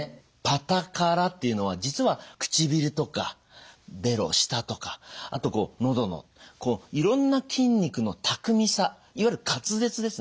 「パタカラ」っていうのは実は唇とかべろ舌とかあと喉のいろんな筋肉の巧みさいわゆる滑舌ですね